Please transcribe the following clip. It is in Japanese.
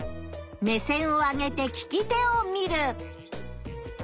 目線を上げて聞き手を見る。